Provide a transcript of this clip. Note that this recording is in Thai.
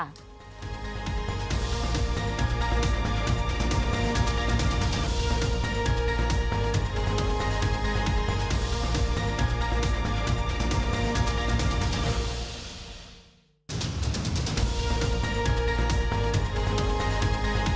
โปรดติดตามตอนต่อไป